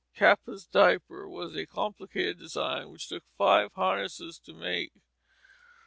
"Kapa's Diaper" was a complicated design which took "five harnesses" to make.